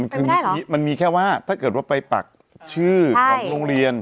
เป็นไม่ได้เหรอมันมีแค่ว่าถ้าเกิดว่าไปปักชื่อใช่ของโรงเรียน